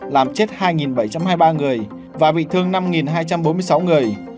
làm chết hai bảy trăm hai mươi ba người và bị thương năm hai trăm bốn mươi sáu người